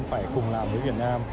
phải cùng làm với việt nam